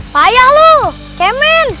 payah lu kemen